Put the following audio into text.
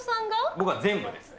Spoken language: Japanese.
僕は全部ですね。